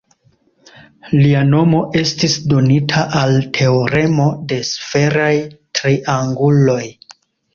Lia nomo estis donita al teoremo de sferaj trianguloj.